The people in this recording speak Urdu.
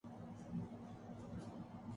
آپ اپنی بہن کی طرح صبح جلدی نہیں اٹھتے، ہے نا؟